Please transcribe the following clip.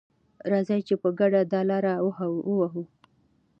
راځئ چې په ګډه دا لاره ووهو.